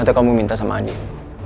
atau kamu minta sama adik